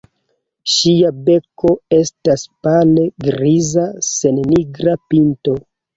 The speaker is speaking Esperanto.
Ŝia beko estas pale griza sen nigra pinto.